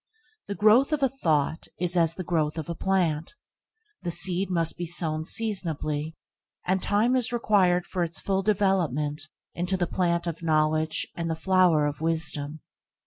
The growth of a thought is as the growth of a plant. The seed must be sown seasonably, and time is required for its full development into the plant of knowledge and the flower of wisdom.